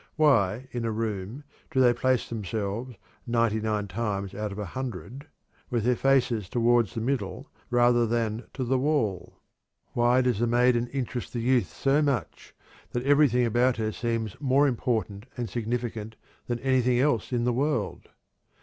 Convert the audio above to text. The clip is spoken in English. Why, in a room, do they place themselves, ninety nine times out of a hundred, with their faces toward its middle rather than to the wall? Why does the maiden interest the youth so much that everything about her seems more important and significant than anything else in the world?